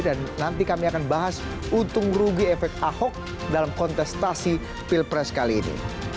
dan nanti kami akan bahas untung rugi efek ahok dalam kontestasi pilpres kali ini